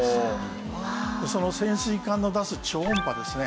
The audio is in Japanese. その潜水艦の出す超音波ですね